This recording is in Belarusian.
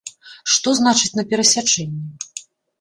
Што значыць на перасячэнні?